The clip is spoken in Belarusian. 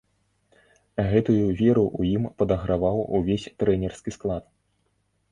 Гэтую веру ў ім падаграваў увесь трэнерскі склад.